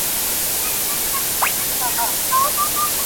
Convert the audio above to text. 冲力说是六世纪时亚历山卓的一个学者提出的。